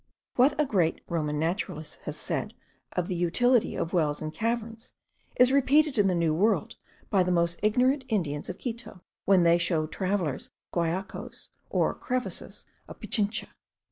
What a great Roman naturalist has said of the utility of wells and caverns* is repeated in the New World by the most ignorant Indians of Quito, when they show travellers the guaicos, or crevices of Pichincha.